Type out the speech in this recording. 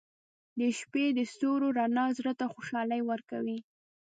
• د شپې د ستورو رڼا زړه ته خوشحالي ورکوي.